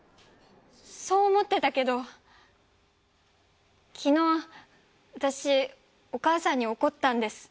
そう思ってたけど昨日私お母さんに怒ったんです。